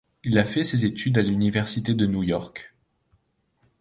Il a fait ses études à l'Université de New York.